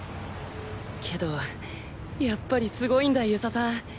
けどやっぱりすごいんだ遊佐さん。